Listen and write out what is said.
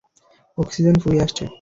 Oxygen ফুরিয়ে আসছে!